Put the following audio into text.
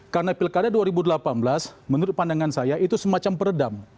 karena pilkada dua ribu delapan belas menurut pandangan saya itu semacam peredam